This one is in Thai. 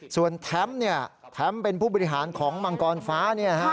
ส่วนแท็มเป็นผู้บริหารของมังกรฟ้า